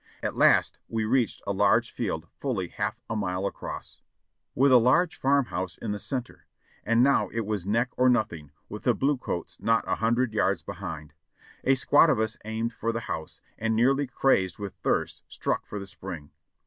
At last we reached a large field fully half a mile across, with a large farm house in the center, and now it was neck or nothing, with the blue coats not a hundred yards behind. A squad of us aimed for the house, and nearly crazed with thirst, struck for the spring.